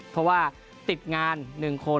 เพราะว่าติดงาน๑คน